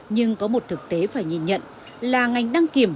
nhưng có một thực tế phải nhìn nhận là ngành đăng kiểm